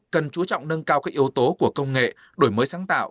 cần chú trọng nâng cao các yếu tố của công nghệ đổi mới sáng tạo